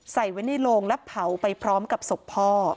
ใส่ไว้ในโลงและเผาไปพร้อมกับศพพ่อ